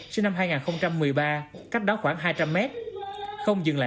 sinh năm hai nghìn một mươi ba cách đó khoảng hai trăm linh mét